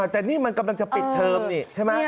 แต่นี่มันกำลังจะปิดเทอมนี่ใช่ไหม